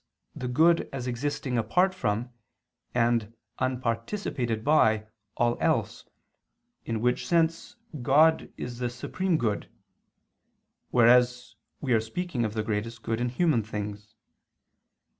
the good as existing apart from, and unparticipated by, all else, in which sense God is the Supreme Good; whereas we are speaking of the greatest good in human things.